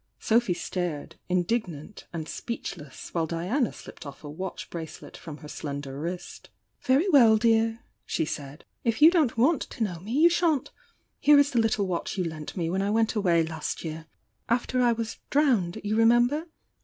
Sophy f^red indig nant and speechless, while Diana slipped off a watch bracelet from her slender wrist. "Very well, dear!" she said. "If yo" do"* ^f * to know me, you shan't! Here is the little watch you lent me when I went away last year after I was drowned, you remember?